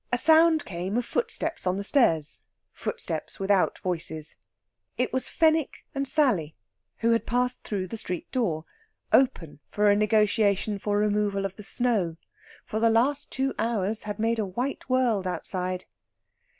A sound came of footsteps on the stairs footsteps without voices. It was Fenwick and Sally, who had passed through the street door, open for a negotiation for removal of the snow for the last two hours had made a white world outside.